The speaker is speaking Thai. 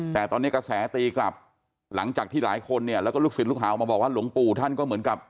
แต่ตอนนี้กระแสตีกลับหลังจากที่หลายคนเนี่ยแล้วก็ลูกศิษย์ลูกหาออกมาบอกว่าหลวงปู่ท่านก็เหมือนกับ